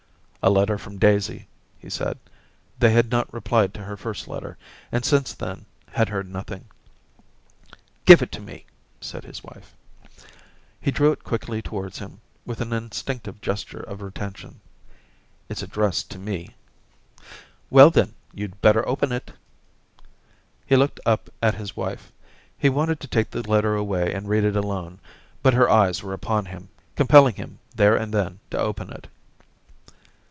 * A letter from Daisy,' he said. They had not replied to her first letter, and since then had heard nothing. * Give it me,' said his wife. He drew it quickly towards him, with an instinctive gesture of retention. 236 Orientations * It's addressed to me.' * Well, then, you'd better open it,' He looked up at his wife ; he wanted to take the letter away and read it alone^ but her eyes were upon him, compelling him there and then to open it.